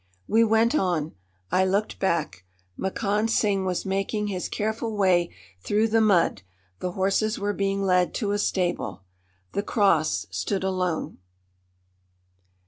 We went on. I looked back, Makand Singh was making his careful way through the mud; the horses were being led to a stable. The Cross stood alone.